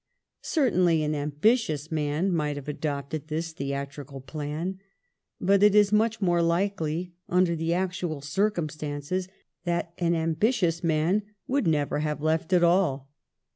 " Certainly an ambitious man might have adopt ed this theatrical plan ; but it is much more likely, under the actual circumstances, that an ambitious man would never have left at all.